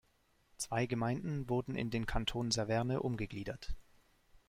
Zwei Gemeinden wurden in den Kanton Saverne umgegliedert.